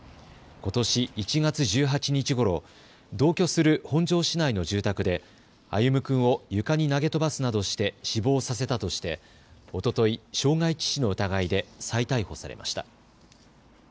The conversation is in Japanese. ことし１月１８日ごろ、同居する本庄市内の住宅で歩夢君を床に投げ飛ばすなどして死亡させたとしておととい、傷害致死の疑いで再逮捕されました。